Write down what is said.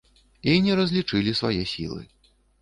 І не разлічылі свае сілы.